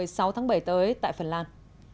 nga sẽ không hề tới tại phần lan